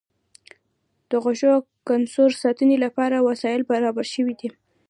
د غوښو د کنسرو ساتنې لپاره وسایل برابر شوي دي.